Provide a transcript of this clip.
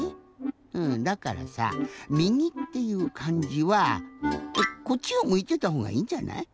うんだからさ「右」っていうかんじはこっちをむいてたほうがいいんじゃない？